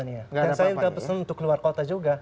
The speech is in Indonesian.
dan saya udah pesen untuk keluar kota juga